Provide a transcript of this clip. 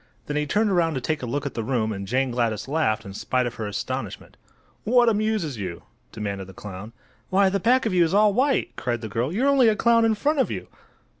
Then he turned around to take a look at the room and Jane Gladys laughed in spite of her astonishment. "What amuses you?" demanded the clown. "Why, the back of you is all white!" cried the girl. "You're only a clown in front of you."